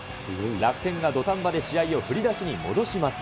楽天が土壇場で試合を振り出しに戻します。